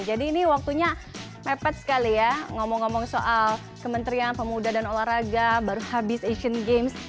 jadi ini waktunya mepet sekali ya ngomong ngomong soal kementerian pemuda dan olahraga baru habis asian games